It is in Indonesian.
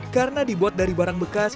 karena dibuat dari barang bekas